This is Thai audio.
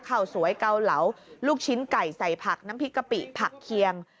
ข้าวสวยเกาเหลาลูกชิ้นไก่ใส่ผักน้ำพริกกะปิผักเคียง